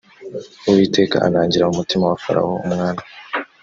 uwiteka anangira umutima wa farawo umwami